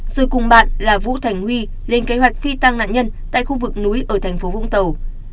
rồi cùng bạn là vũ thành huy lên kế hoạch phi tăng nạn nhân tại khu vực núi ở thành phố vũng tàu